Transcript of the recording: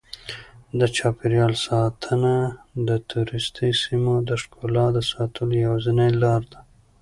د چاپیریال ساتنه د توریستي سیمو د ښکلا د ساتلو یوازینۍ لاره ده.